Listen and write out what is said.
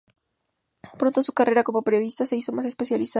Pronto su carrera como periodista se hizo más especializada.